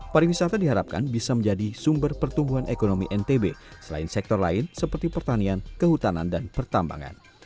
pariwisata diharapkan bisa menjadi sumber pertumbuhan ekonomi ntb selain sektor lain seperti pertanian kehutanan dan pertambangan